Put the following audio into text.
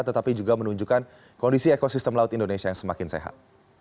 tetapi juga menunjukkan kondisi ekosistem laut indonesia yang semakin sehat